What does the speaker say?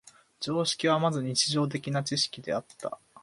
常識はまず日常的な知識であった。